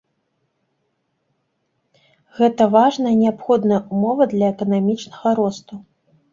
Гэта важная і неабходная ўмова для эканамічнага росту.